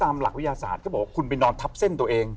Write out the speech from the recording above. หลักวิทยาศาสตร์ก็บอกว่าคุณไปนอนทับเส้นตัวเอง